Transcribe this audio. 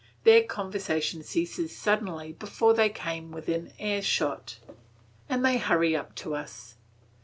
Their conversation ceases suddenly before they come within earshot, and they hurry up to us.